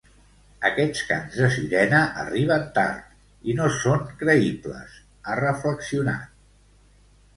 Aquests cants de sirena arriben tard i no són creïbles, ha reflexionat.